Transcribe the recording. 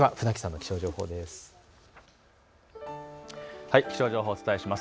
気象情報、お伝えします。